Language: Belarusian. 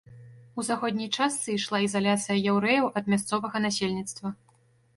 У заходняй частцы ішла ізаляцыя яўрэяў ад мясцовага насельніцтва.